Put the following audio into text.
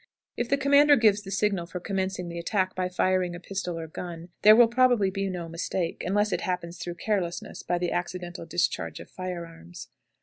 If the commander gives the signal for commencing the attack by firing a pistol or gun, there will probably be no mistake, unless it happens through carelessness by the accidental discharge of firearms.